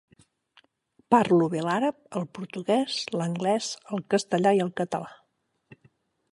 Parlo bé l'àrab, el portuguès, l'anglès, el castellà i el català.